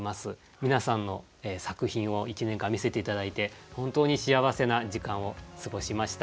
皆さんの作品を１年間見せて頂いて本当に幸せな時間を過ごしました。